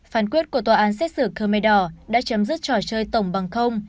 phán quyết của tòa án xét xử khmer đỏ đã chấm dứt trò chơi tổng bằng không